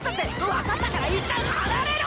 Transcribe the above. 分かったからいったん離れろ！